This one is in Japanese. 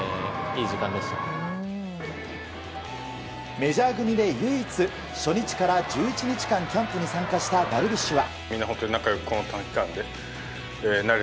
メジャー組で唯一初日から１１日間キャンプに参加したダルビッシュは。